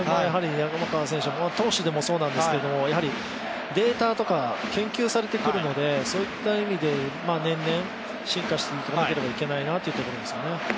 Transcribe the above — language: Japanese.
山川選手、投手でもそうなんですけど、やはりデータとか研究をされてくるので、そういった意味で、年々進化していかなければいけないなというところですかね。